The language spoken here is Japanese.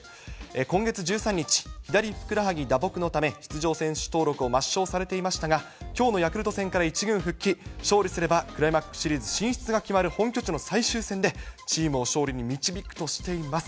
今月１３日、左ふくらはぎ打撲のため、出場選手登録を抹消されていましたが、きょうのヤクルト戦から１軍復帰、勝利すれば、クライマックスシリーズ進出が決まる本拠地の最終戦で、チームを勝利に導くとしています。